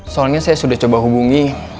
soalnya saya sudah coba hubungi